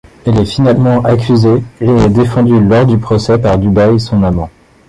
Elle est finalement accusée et est défendue lors du procès par Dubail, son amant.